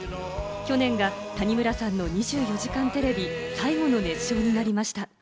去年が谷村さんの『２４時間テレビ』、最後の熱唱になりました。